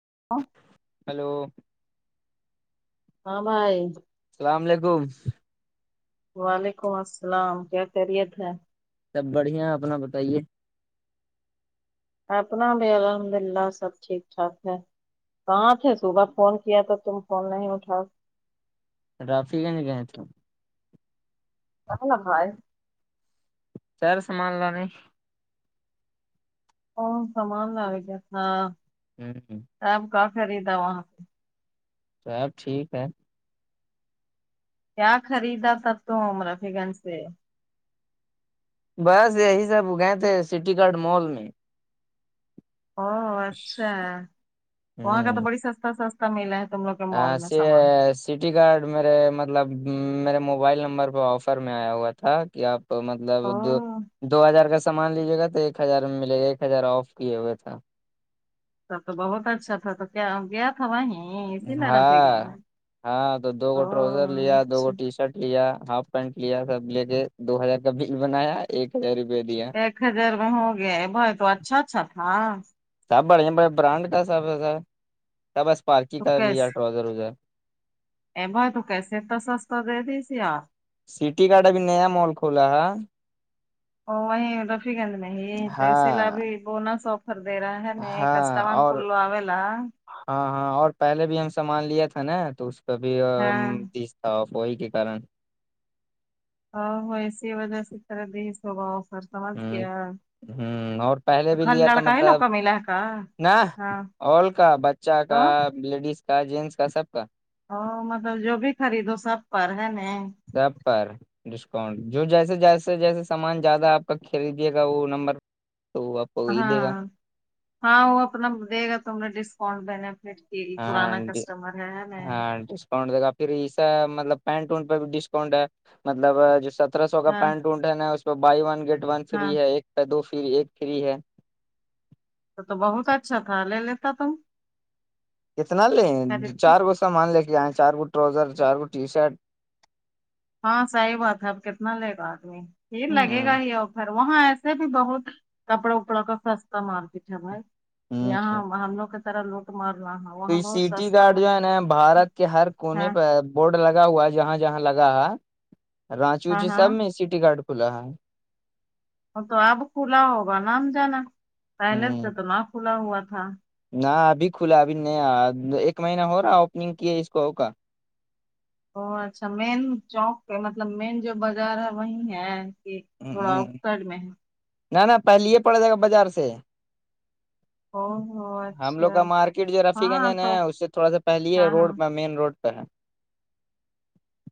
[unintelligible] hello ہاں بھائی السلام علیکم وعلیکم السلام کیا خیریت ہے سب بڑھیا اپنا بتائیے اپنا بھی الحمد اللہ سب ٹھیک ٹھاک ہے کہاں تھے صبح فون کیا تھا تم فون نہیں اٹھاؤ رافی کنے گئے تھ کاں سیر سمان ل نے اور سمان لگ گیا ہاں ہوں ہ سپ کا خریدا وہاں پہ سب ٹھیک ہے کیا خریدا تھا تم رفی گنج سے بس یہی سب گئے تھے سٹی گارڈ مال میں او اچھا وہاں کا تو بڑی سستا س سب ملا ہے تم لوگ کے مال ہ میں سامان سٹی کارڈ میرے مطلب میرے موبائل نمبر پہ آفر میں آیا ہوا تھا کہ آپ تو او مطلب دو دو ہزار کا سامان لیجیے گا تو ایک ہزار میں ملے گا ایک ہزار آف کیے ہوئے تھا تب تو بہت اچھا تھا تو کیا ہو گیا آپ کان ہاں ہاں تو دو گو او ٹرازر لیا دو اچھا گ ٹی شرٹ لیا ہاف پینٹ لیا سب لے کے دو ہزار کا بل بنایا ایک ہزار روپیہ دیا ایک ہزار میں ہو گیا ہے بھائی تو اچھا اچھا تھا سب بڑھیا بڑ برانڈ کا سب ایا سب اسپارکی تو کر لیا ٹرزرزر ا بھائی تو کیسے تو سستا دے دیس یار سٹی کاڈ ا بھی نیا مال کھولا ہے ا وہ رفی گنج میں یہ تو اسی لیے ہاں ابھی بنا سوپ خردے رہا ہے ن ہاں کسٹامان اور کلو آلا ہاں ہاں اور پہلے بھی ہم سامان لیا تھا نا تو اس پہ بھی ہاں دی وہی کے کارن ا اسی وجہ سے سرا دیہ سوباؤ سر سمجھ ہ گیا ہ اور پہلے تو بھی خالی لیا تھا لڑکا ہی لوگ مطلب کا ملا ہے کا ن ہاں اور کا بچہ کا تو لیڈیز کا جینٹس کا سب کا ا مطلب جو بھی خریدو سب پر ہے ن چپر ڈسکاؤنٹ جو جیسے جیسے جیسے سامان زیادہ آپ کا خریدیے گا وہ نمبر تو آپ کو وہی دے ہاں گا ہاں وہ اپنا دے گا تم نے ڈسکاؤنٹ بنے پھر یہ پرانا کسٹمر ہے میں دا پھر اسا مطلب پینٹ وونٹ پہ بھی ڈسکاؤنٹ ہے مطلب جو سترہ سو کا ہاں پینٹ اونٹ نا اس پہ بھائی ون گیٹ ون ہاں فری ہے ایک کا دو فری ایک فری ہے تو تو بہت اچھا تھا لے لیتا تم اتنا لے خریدتی چار گو سامان لے کے آئیں چار گو ٹروزر چار گو ٹی شرٹ ہاں صحیح بات ہے اب کتنا لے گا آدمی لگے گا ہ ہی آفر وہاں ایسے بھی بہت کپڑا اپڑا کا سستا مارکیٹ ہے بھائی ہ یہاں ہم لوگ کی طرح لوٹ مارنا تو وہاں یہ بہت سٹی سستا گارڈ میں جو ہے نا بھارت کے ہر ہے کونے پہ بورڈ لگا ہوا ہے جہاں جہاں لگا ہے رانچی ہاں وونچی ہاں سب میں سٹی گارڈ کھلا ہے وہ تو اب کھلا ہوگا ہم جانا پہلے سے ہوں تو نہ کھلا ہوا تھا نہ ابھی کھلا ابھی نہیں ایک مہینہ ہو رہا اوپننگ کی اس کو کا اچھا مین چوک پہ مطلب مین جو بازار ہے وہی ہے کہ تھوڑا آؤٹ سائڈ میں ہے نہ نہ پہل ہی پڑ جائے گا بازار سے او ہو ہم لوگ اچھا کا مارکیٹ جو رفی ہاں گنجن ہے تو اس سے تھوڑا سا پہل ہے ہاں ہاں روڈ میں مین روڈ ساں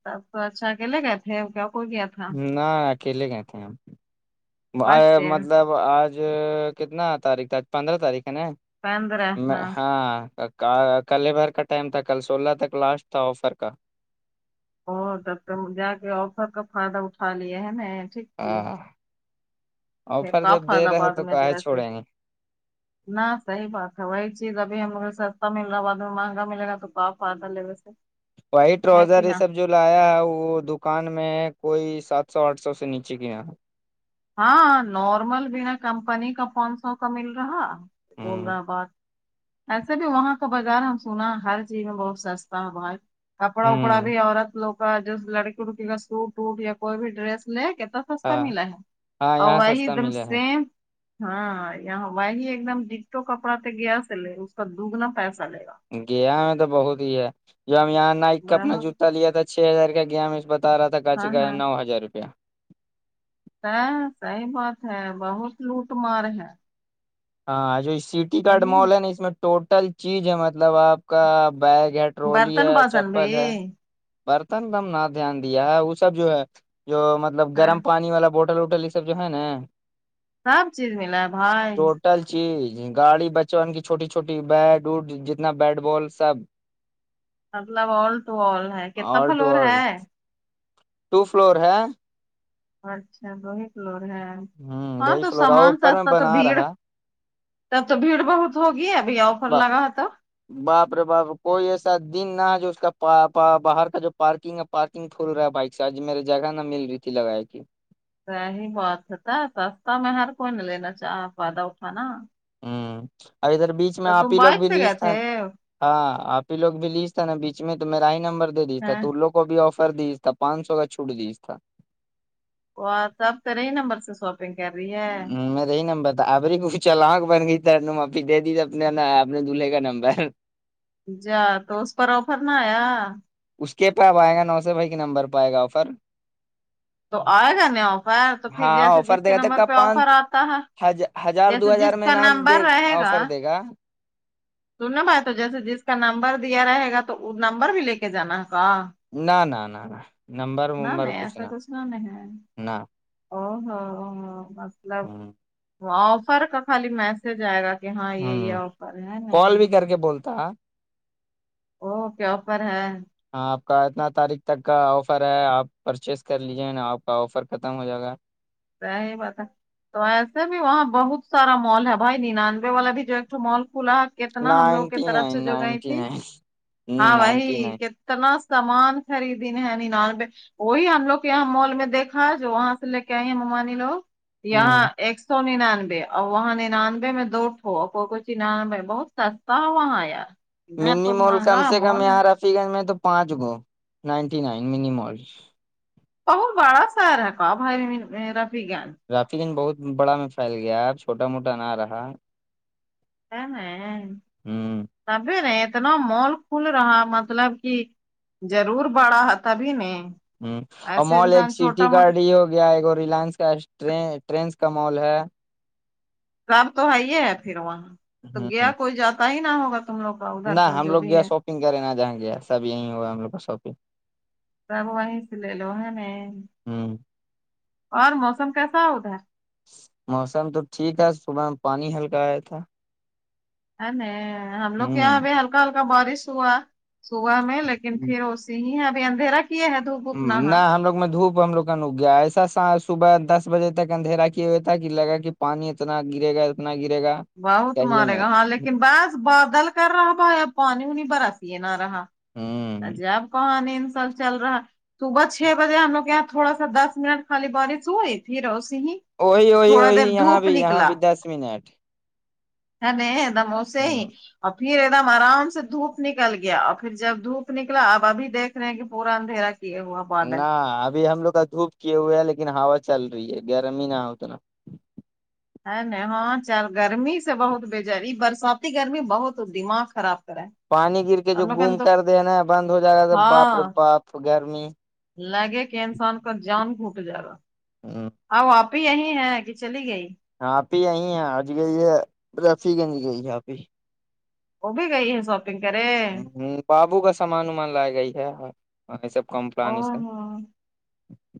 تب تو اچھا اکلے گئے تھے کیا کوئی کیا تھا نہ اکیلے گئے تھ ہیں ہم بائک سے مطلب وہ آج کتنا تاریخ تھا آج پندرہ تاریخ ہے نا پہن رہے میں ہاں کل ہی بھر کا ٹائم تھا کل سولہ تک لاسٹ تھا آفر کا تب جا کے آفر کا فائدہ اٹھا لیا ہے ٹھیک ٹھیک [inaudible] آفر کا جب فائد دے رہے آباد تو میں کاے جیسے چھوڑیں گے نہ صحیح بات ہے وہی چیز ابھی ہم سستا مل رہا ہے بعد میں مہنگا ملے تو آپ فائدہ لے ویسے وائٹ ہے کہ روزر یہ نا سب جو لایا ہے وہ دکان میں ہے کوئی سات سو آٹھ سو سے نیچے کی یہاں ہاں نارمل بنا کمپنی کا پانچ سو کا مل رہا بول ہوں رہ بعد ایسے بھی وہاں کا بازار ہم سنا ہر چیز میں بہت سستا ہے باہت کپڑا وپڑا ہوں بھی عورت لوگ کا جو لڑکی وڑکی کا سوٹ ووٹ یا کوئی بھی ڈریس لے کہ تو سستا ہاں ملا ہے ہاں اور یہاں وہی سستا ایک دم ملے ہے سیم ہاں یہاں وہی ایک دم ڈگٹو کپڑا تھے گیا سے لے اس کا دگنا پیسہ لے گا گیا میں تو بہت ہی ہے جب ہم یہاں نائک کا اپنا بہت جوتا لیا تھا چھ ہزار کا گیا میں اس تارا تھا ہاں کاچی کا ہاں نو ہزار روپیہ صحیح بات ہے بہت لوٹ مار ہے ہاں جو سیٹی کارڈ مال ہے نا اس میں ٹوٹل چیز ہے مطلب آپ کا بیگ ہیڈ ٹرولی برتن ہے باسن بھی چپل ہے برتن کا ہم نہ دھیان دیا ہے وہ سب جو ہے جو مطلب ہاں گرم پانی والا بوٹل ہوٹل وٹل یہ سب جو ہے نا سب چیز ملا ہے بھائی ٹل چیز گاڑی بچپن کی چھوٹی چھوٹی بیڈ وٹ جتنا بیٹ بال سب مطلب آل ٹو آل ہے کتنا آل ٹو فلور آل ہے ٹو فلور ہے اچھا بہ کلور ہے ہ دو ہاں ہی تو فلور ہے سامان اوپر میں سستا تو بنا بھیڑ رہا تب تو بھیڑ بہت ہوگی ابھی آفر لگا تو باپرے باپر کوئی ایسا دن نہ ہے جو اس کا باہر کا جو پارکنگ ہے پارکنگ کھل رہا ہے بائک سے آج میرے جگہ نہ مل رہی تھی لگا کی سی بات ہے تھا سستا میں ہر کوئی نہیں لینا چاہ پدا کھانا ہوں اور ادھر بیچ میں آپ ہی لوگ بائک بھی سے لی گئے ہاں تھے آپ ہی لوگ بھی لی تھا نا بیچ میں تو میرا ہی نمبر دے دیج تھا ہیں تو لو کو بھی آفر دی تھا پانچ سو کا چھوٹ دی تھا وہ سب ترے نمبر سے سوپ گ کر رہی ہے ہ میں رہی نمبر آب کھ چلاانک بن گئی تر نے معافی دے دی ت اپنے نا آپ نے دولہے کا نمبر جا تو اس پر آفر نہ آیا اس کے پہ آب آئے گا نو سو بھائی کے نمبر پہ آئے گا آفر تو آئے گا نہیں آفر تو پھر ہاں جیسے جس کے نمبر پہ آفر آتا ہے ہ ہزار دو جیسے ہزار جس میں کا نہ دے نمبر آفر دے گا سننا بھائی تو جیسے جس کا نمبر دیا رہے گا تو وہ نمبر بھی لے کے جانا ہے کا نہ نہ نہ نہ نہیں ایسا کچھ نہ نہیں ہے نہ او ہو مطلب آفر کا خالی میسج آئے گا [unintelligible] کہ ہاں یہ یہ ہ آفر ہے نہیں کال بھی کر کے بولتا وہ پپر ہے ہاں آپ کا اتنا تاریخ تک کا آفر ہے آپ پرچیز کر لیجیے نا آپ کا آفر ختم ہو جائے گا رہ ہے بتا تو ایسے بھی وہاں بہت سارا مال ہے بھائی ننانوے والا بھی جو ایکٹو مال کھلا ہے کتنا ہم لوگ کی نائنٹی طرف سے نائن جو گئی نائنٹی تھی نائن ہاں نائنٹی بائی نائن اتنا سمان خریدینے ہے ن نالب وہی ہم لوگ یہاں مال میں دیکھا ہے جو وہاں سے لے کے کیا ہیں ممانی لوگ یہاں ہ ایک سو ننانوے اور وہاں ننانوے میں دوٹھو کچنانوے بہت سستا ہے وہاں یار ادھر منی تو مال کم مہنگا سے کم مال ہے یہاں رافی گنج میں تو پانچ گو نائنٹی نائن منی مال بہت بڑا سارا کا بائی میرا بھی جان رافی دن بہت بڑا میں پھیل گیا ہے اب چھوٹا موٹا نہ رہا ہے ن ہوں تبھی ن اتنا مال کھل رہا مطلب کہ ضرور بڑا ہے تبھی نہیں ہ اور مال ایک سٹی گارڈ ہی ہوگی گیا ایک ریلائنس کا ٹرینس کا مال ہے اب تو آئیے ہے پھر وہاں تو ہ گیا کوئی جاتا ہی نہ ہوگا تم لوگ کا ادھر نہ کا ہم جو لوگ بھی گیا ہے شاپنگ کریں نہا جہاں گیا سب یہیں ہوا ہم لوگ کا شاپنگ تب وہیں سے لے لو ہے میں ہ اور موسم کیسا ہوتاھر موسم تو ٹھیک ہے صبح میں پانی ہلکا آیا تھا ا نہیں ہم لوگ کے ہ یہاں اب ہلکا ہلکا بارش ہوا صبح میں لیکن پھر ا س ہی ہے ابھی اندھی را کی یہے ہے دپ نہ ہم لوگ میں دھوپ ہم لوگن اک گیا ایسا صبح دس بجے تک اندھیرا کیے ہوئے تھا کہ لگا کہ پانی اتنا گرے گا اتنا گرے گا بہت کہیے مارے گا ہاں مت لیکن بس بادل کر رہا بایا پانی نہیں برا سی نہ رہا ا ج ہوں آب کہاں نہیں ان سب چل رہا صبح چھ بجے ہم لوگ یہاں تھوڑا سا دس منٹ خالی بارش ہوئی تھی روسی ہی وہی وہی تھوڑا وہی یہاں بھی یہاں بھی دس منٹ ہ نہیں دموسے ہی ہ اور پھر ایک دم آرام سے دھوپ نکل گیا اور پھر جب دھوپ نکلا اب ابھی دیکھ رہ ہیں کہ پورا اندھیرا کیے ہوا بادل نہ ابھی ہم لوگ کا دھوپ کیے ہوئے ہے لیکن ہوا چل رہی ہے گرمی ہی نہ اتنا ہے نہیں ہاں چار گرمی سے بہت بجاری برساتی گرمی بہت دماغ خراب کرا ہے پانی گر کے جو ہم لوگ کا گم تو کر دے نا بند ہو جائے گا تو باپ رے ہاں باپ گرمی لگے کہ انسان کا جان گھٹ جائے گا ہ اب آپ اب یہی ہے کہ چلی گئی آپ ہی آئی ہیں آج گئی ہے رفی گنج گئی ہے آپ ہی وہ بھی گئی ہے سب نکے بابو کا سامان وامان لائے گئی ہے یہ سب او کمپلانی سے ہو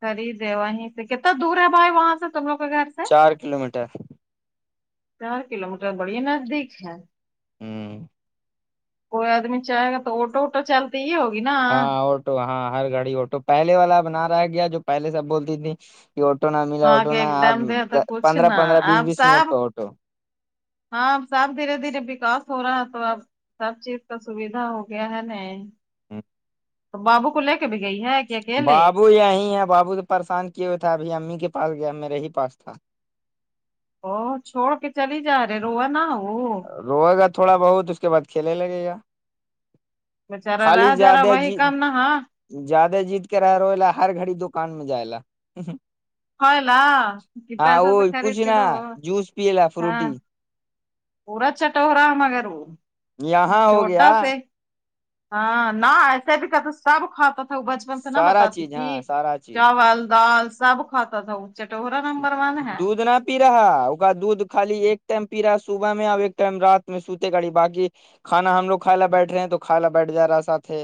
خریدے وہیں سے کتنا دور ہے بھائی وہاں سے تم لوگ کے گھر سے آار کلو میٹر چار کلو میٹر بڑیے نزدیک ہے ہوں کوئی آدمی چاہے گا تو آوٹو ووٹو چلتا تو یہ ہوگی نا ہاں آوٹو ہاں ہر گاڑی آٹو پہلے والا بنا رہا ہے گیا جو پہلے سے اب بولتی تھی آٹو نہ ملا ہاں آٹو کہ ایک نہا آپ دم دے تو کچھ پندرہ نہ پندرہ بیس آپ بیس منٹ سب پہ آٹو ہاں سب دھیرے دھیرے وکاس ہو رہا ہے تو اب سب چیز کا سویدھا ہو گیا ہے نا ہپ تو بابو کو لے کے بھی گئی ہے کہ اکیلے آیں آپ بابو تو پریشان کیے ہوئے تھ تھا ابھی امی کے پا گیا میرے ہی پس تھا او چھوڑ کے چلی ہی جا رہے روو نا وہ روئے گا تھوڑا بہت اس کے بعد کھیلے لگے گا بچارا را خالی جرا زیادہ وہی جی کام نہ ہاں زیادہ جیت کے رہ رو لا ہر گھڑی دکان میں جائے لا خ لا کہ ہاں پیسہ تو وہ کچھ خرید کے نہ دو جوس پیے لا ہاں فروٹی پورا چٹ رہا مگر وہ یہاں ہو چھوٹا گیا سے ہاں نہ ایسے بھی کہ سب کھات بچپن سے نہ سارا بتاتی چیز تھی ہاں سارا چیز چاول دال سب کھاتا تھا وہ چٹورا نا د دنات پی رہا ہے ا کا دودھ خالی ایک ٹائم پی رہا ہے صبح میں ا ایک ٹائم رات میں سوتے گڑی باقی کھانا ہم لوگ کھا بیٹھے ہیں تو کھا ل بیٹھ جا رہا ساتھے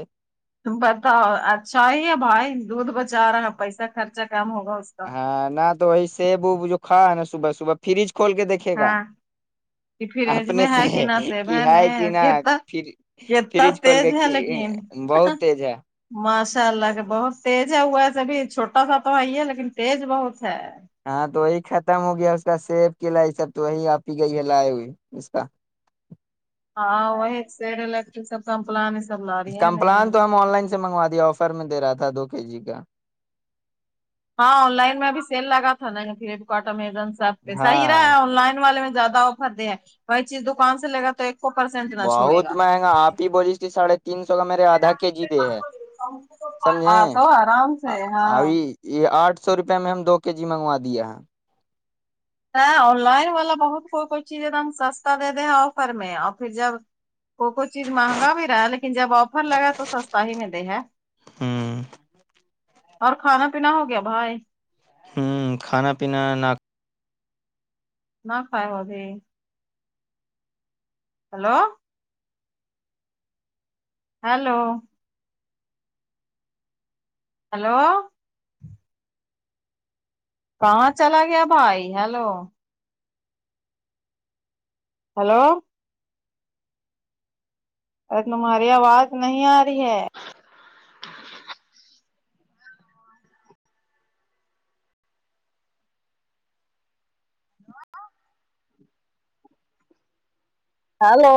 تم پتا ہو اچھا ہی ہے بھائی دودھ بچا رہا ہے پیسہ خرچہ کم ہوگا اس کا ہاں نہ تو وہی سیب وب جو کھا ہے نا صبح صبح فریج کھول کے دیکے ہاں کہ فریج اپنے میں ہے کہ سے نہ سیب کہ ہے کہ ن نہ کتنا پھر کتنا فریج ول تیز کے ہے کہ لیکن بہت تیج ہے ماشاء اللہ کہ بہت تیز ہے ہوا ہے سبھی چھوٹا سا تو ہےئی ہے لیکن تیز بہت ہے ہاں تو وہی ختم ہو گیا اس کا سیب ک لائی سب تو وہی آپی گئی ہے لائے ہوئے اس کا ہاں وہ س الٹر سب کمپلانی سب لا رہی ہے ن کمپلان تو ہم آن لائن سے منگوا دیا آفر میں دے رہا تھا دو کے جی کا ہاں آن لائن میں ابھییل لگا تھا ن فپکارٹ امزن سے سب پہ صحیح رہا ہاں ہے آن لائن والے میں زیادہ آفر دے ہیں وہی چیز دکان سے لے گا تو ایک کو پرسینٹ نہ چھوڑے بہت گا مہنگا آپ ہی بولی تے سڑھے تین سو کا م آدھا کے جی دے ہے سمجھیں ہاں تو آرام سے ہاں ابھی یہ آٹھ سو روپے میں ہم دو کے جی منگوا دیا ہے ہ آن لائن والا بہت کوئی کوئی چیز ہے د ہم سستا دے دیں ہیں آفر میں اور پھر جب کو کوئی چیز مہنگا بھی رہا ہے لیکن جب آفر لگا ہے تو سستا ہی ملے ہے ہوں اور کھانا پینا ہو گیا بھائی ہوں کھانا پینا نہ نہ کائے ہو بھی ہلو ہیلو ہلو کہاں چلا گیا بھائی ہیلو ہلو ارے تمہاری آواز نہیں آ رہی ہے ہلو